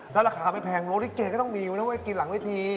ถ้าราคามันแพงโรลิเกย์ก็ต้องมีไม่ต้องไปกินหลังวิธี